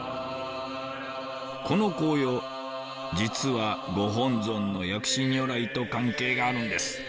この紅葉実はご本尊の薬師如来と関係があるんです。